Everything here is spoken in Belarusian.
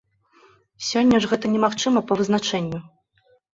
Сёння ж гэта немагчыма па вызначэнню.